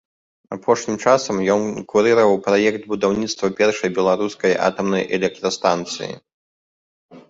Апошнім часам ён курыраваў праект будаўніцтва першай беларускай атамнай электрастанцыі.